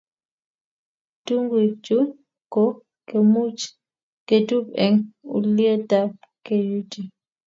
tunguichu ko kemuch ketub eng' ulietab kayutie